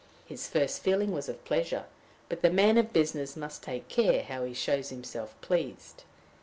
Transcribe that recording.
His first feeling was of pleasure, but the man of business must take care how he shows himself pleased.